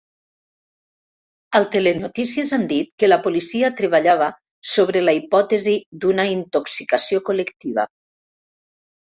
Al Telenotícies han dit que la policia treballava sobre la hipòtesi d'una intoxicació col·lectiva.